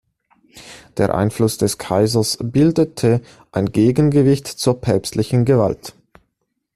Der Einfluss des Kaisers bildete ein Gegengewicht zur päpstlichen Gewalt.